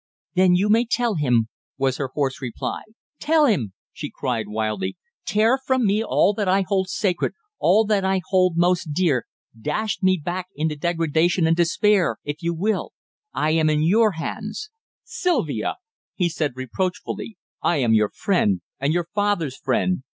"Then you may tell him," was her hoarse reply. "Tell him!" she cried wildly. "Tear from me all that I hold sacred all that I hold most dear dash me back into degradation and despair if you will! I am in your hands." "Sylvia!" he said reproachfully. "I am your friend and your father's friend.